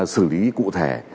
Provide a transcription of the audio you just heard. xử lý cụ thể